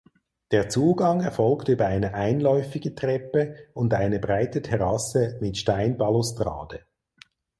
Der Zugang erfolgt über eine einläufige Treppe und eine breite Terrasse mit Steinbalustrade.